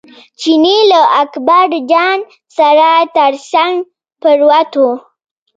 چیني له اکبرجان سره تر څنګ پروت و.